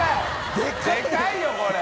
でかいよこれ。